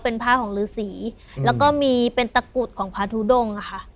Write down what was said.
เป็นผ้าของฤษีแล้วก็มีเป็นตะกรุดของพระทุดงอะค่ะ